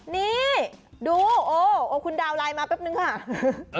นี่ดูโอ้คุณดาวนไลน์มาแป๊บนึงค่ะ